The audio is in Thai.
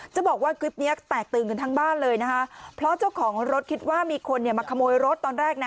จะบอกว่าคลิปเนี้ยแตกตื่นกันทั้งบ้านเลยนะคะเพราะเจ้าของรถคิดว่ามีคนเนี่ยมาขโมยรถตอนแรกนะ